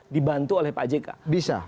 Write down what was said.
dibantu oleh pak jk bisa